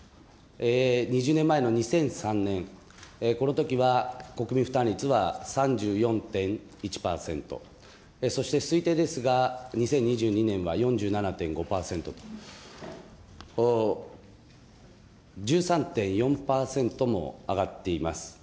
２０年前の２００３年、このときは国民負担率は３４．１％、そして推定ですが、２０２２年は４７．５％と、１３．４％も上がっています。